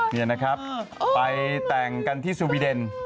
นี่นะครับไปแต่งกันที่สวีเดน